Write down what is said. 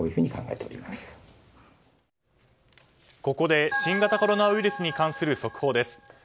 ここで新型コロナウイルスに関する速報です。